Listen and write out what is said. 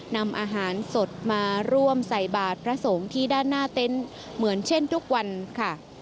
นำอาหารสดมาร่วมใส่บาทพระสงฆ์ที่ด้านหน้าเต็นต์เหมือนเช่นทุกวันค่ะ